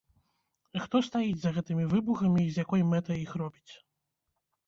Хто стаіць за гэтымі выбухамі і з якой мэтай іх робіць?